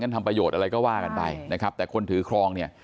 ทำประโยชน์อะไรก็ว่ากันไปนะครับแต่คนถือครองเนี่ย